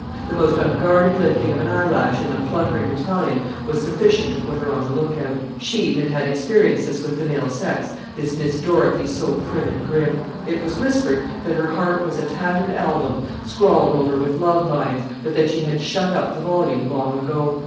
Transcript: The most unguarded lifting of an eyelash in the fluttering battalion was sufficient to put her on the lookout. She had had experiences with the male sex, this Miss Dorothy so prim and grim. It was whispered that her heart was a tattered album scrawled over with love lines, but that she had shut up the volume long ago.